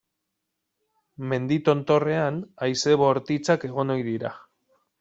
Mendi tontorrean haize bortitzak egon ohi dira.